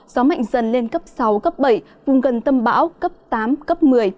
gió mạnh dần lên cấp sáu cấp bảy vùng gần tâm bão cấp tám cấp một mươi